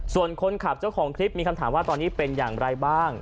ส่วนคนขับเจ้าของคลิปมีคำถามว่าตอนนี้เป็นอย่างไรบ้าง